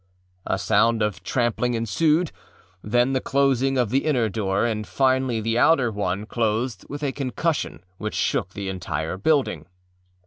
â A sound of trampling ensued, then the closing of the inner door; and finally the outer one closed with a concussion which shook the entire building.